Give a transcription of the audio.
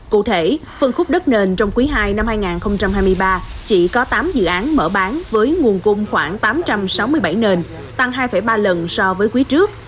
cụ thể phân khúc đất nền trong quý ii năm hai nghìn hai mươi ba chỉ có tám dự án mở bán với nguồn cung khoảng tám trăm sáu mươi bảy nền tăng hai ba lần so với quý trước